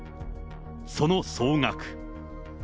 その総額。